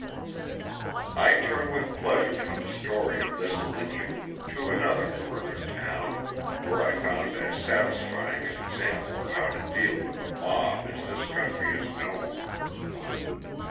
I turn with pleasure from the story of this lynching to another Northern town, where I found as satisfying an example of how to deal with a mob as this country has known.